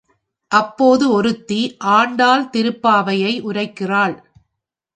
அப்போது, ஒருத்தி ஆண்டாள் திருப்பாவையை உரைக்கிறாள்.